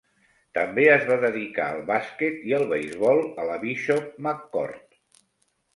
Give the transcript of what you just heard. També es va dedicar al bàsquet i el beisbol a la Bishop McCort.